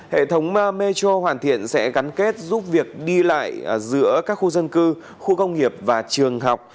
hệ thống metro hoàn thiện sẽ gắn kết giúp việc đi lại giữa các khu dân cư khu công nghiệp và trường học